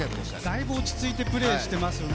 だいぶ落ち着いてプレーしてますよね。